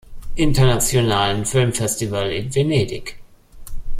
Internationalen Filmfestival in Venedig.